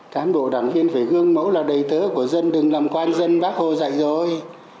cán bộ đảng viên phải gương mẫu là đầy tớ của dân đừng làm quan dân bác hồ dạy rồi